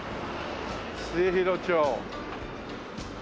末広町。